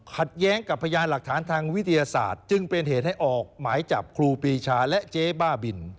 ขัดแย้งกับพยานหลักฐานทางวิทยาศาสตร์จึงเป็นเหตุให้ออกหมายจับครูปีชาและเจ๊บ้าบิน